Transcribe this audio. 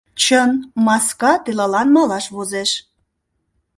— Чын, маска телылан малаш возеш.